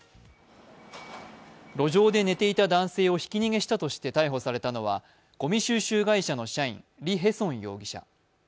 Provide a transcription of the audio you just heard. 路上で寝ていた男性をひき逃げしたとして逮捕されたのはごみ収集会社の社員、李海成容疑者。